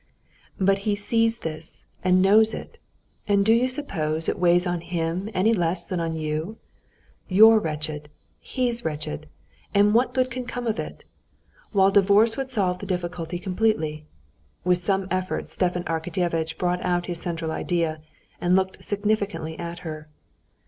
"But he sees this and knows it. And do you suppose it weighs on him any less than on you? You're wretched, he's wretched, and what good can come of it? while divorce would solve the difficulty completely." With some effort Stepan Arkadyevitch brought out his central idea, and looked significantly at her.